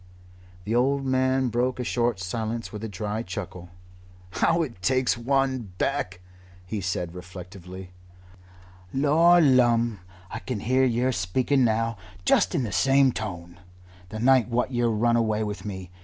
The old man broke a short silence with a dry chuckle. "How it takes one back!" he said reflectively. "Lor lumme! I can hear yer speaking now just in the same tone the night what yer run away with me.